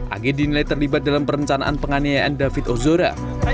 ag dinilai terlibat dalam perencanaan penganiayaan david ozora